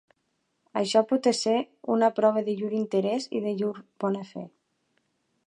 Això pot ésser una prova de llur interès i de llur bona fe.